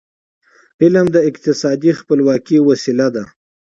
علم د اقتصادي خپلواکی وسیله ده.